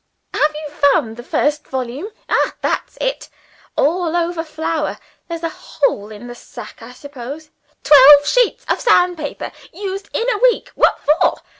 Have you found the first volume? Ah, that's it. All over flour! there's a hole in the sack I suppose. Twelve sheets of sandpaper used in a week! What for?